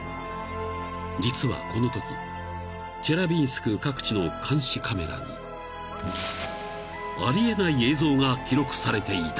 ［実はこのときチェリャビンスク各地の監視カメラにありえない映像が記録されていた］